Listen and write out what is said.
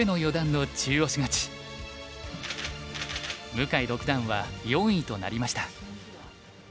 向井六段は４位となりました。